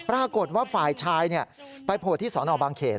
ปรากฏว่าฝ่ายชายไปโผล่ที่สอนอบางเขน